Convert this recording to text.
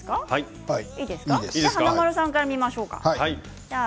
華丸さんから見ましょう。